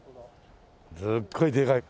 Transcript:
すっごいでかい。